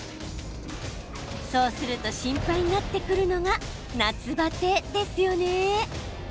そうすると心配になってくるのが夏バテですよね。